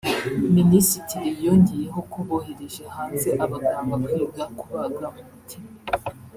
Minisitiri yongeyeho ko bohereje hanze abaganga kwiga kubaga umutima